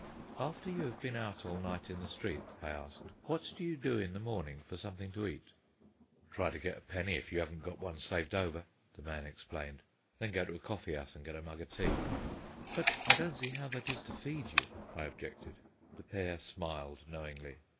"After you have been out all night in the streets," I asked, "what do you do in the morning for something to eat?" "Try to get a penny, if you 'aven't one saved over," the man explained. "Then go to a coffee 'ouse an' get a mug o' tea." "But I don't see how that is to feed you," I objected. The pair smiled knowingly.